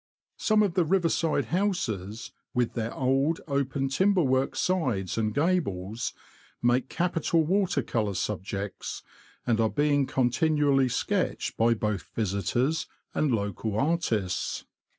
Some of the river side houses, with their old, open timberwork sides and gables, make capital water colour subjects, and are being continually sketched by both visitors and local artists.